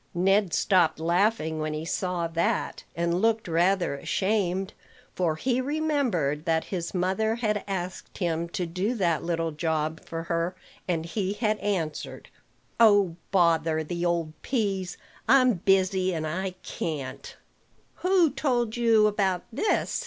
Ned stopped laughing when he saw that, and looked rather ashamed; for he remembered that his mother had asked him to do that little job for her, and he had answered, "Oh, bother the old peas! I'm busy, and I can't." "Who told you about this?"